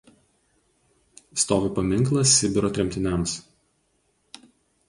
Stovi paminklas Sibiro tremtiniams.